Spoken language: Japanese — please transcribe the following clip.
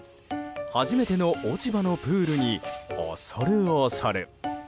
初めての落ち葉のプールに恐る恐る。